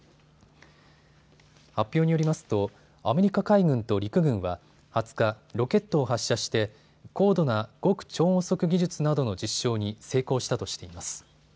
発表によりますとアメリカ海軍と陸軍は２０日、ロケットを発射して高度な極超音速技術などの実証に成功したとしています。